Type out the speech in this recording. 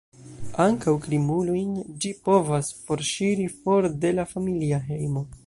Ankaŭ krimulojn ĝi povas forŝiri for de la familia hejmo.